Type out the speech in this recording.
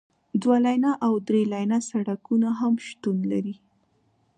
دوه لینه او درې لینه سړکونه هم شتون لري